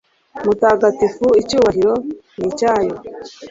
mutagatifu; icyubahiro ni icyayo